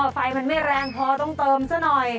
ไฟมันไม่แรงพอต้องเติมซะหน่อย